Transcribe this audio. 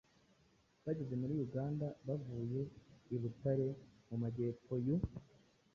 bageze muri Uganda bavuye i Butare mu Majyepfo y’u